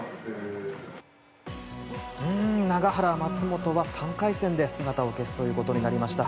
永原、松本は３回戦で姿を消すということになりました。